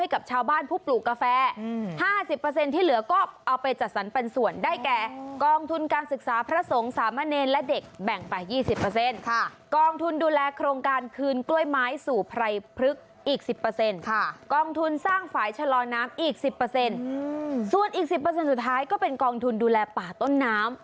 การเป็นส่วนได้แก่กองทุนการศึกษาพระสงฆ์สามะเนรและเด็กแบ่งไป๒๐กองทุนดูแลโครงการคืนกล้วยไม้สู่ไพรพลึกอีก๑๐กองทุนสร้างฝ่ายชะลอน้ำอีก๑๐ส่วนอีก๑๐สุดท้ายก็เป็นกองทุนดูแลป่าต้นน้ำ